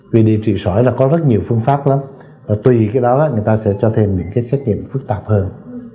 vì điều trị sỏi là có rất nhiều phương pháp lắm tùy cái đó người ta sẽ cho thêm những cái xét nghiệm phức tạp hơn